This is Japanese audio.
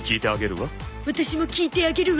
ワタシも聞いてあげるわ